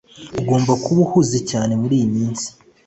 ugomba kuba uhuze cyane muriyi minsi